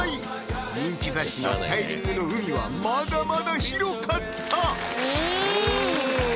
人気雑誌のスタイリングの海はまだまだ広かった！